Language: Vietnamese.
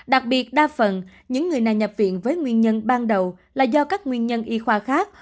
đặc biệt đa phần những người này nhập viện với nguyên nhân ban đầu là do các nguyên nhân y khoa khác